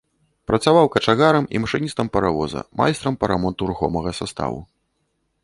Працаваў качагарам і машыністам паравоза, майстрам па рамонту рухомага саставу.